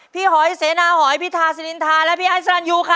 พี่หอยเสนาหอยพี่ทาศิลินทาและพี่อันสรรยูครับ